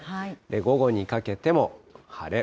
午後にかけても晴れ。